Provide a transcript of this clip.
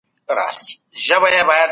بحثونه چېرته خپریږي؟